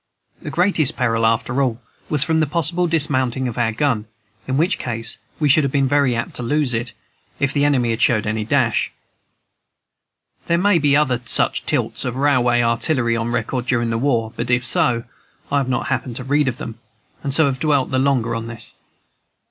The greatest peril, after all, was from the possible dismounting of our gun, in which case we should have been very apt to lose it, if the enemy had showed any dash. There may be other such tilts of railway artillery on record during the war; but if so, I have not happened to read of them, and so have dwelt the longer on this.